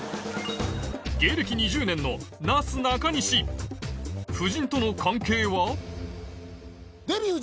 芸歴２０年のなすなかにし夫人との関係は？